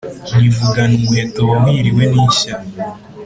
Nivugana umuheto wahiriwe n'ishya,